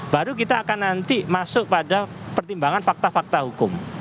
baru kita akan nanti masuk pada pertimbangan fakta fakta hukum